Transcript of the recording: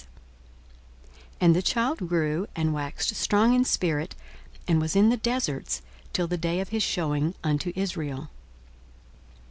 42:001:080 And the child grew, and waxed strong in spirit, and was in the deserts till the day of his shewing unto Israel.